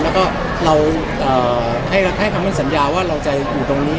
แล้วก็เราให้คำมั่นสัญญาว่าเราจะอยู่ตรงนี้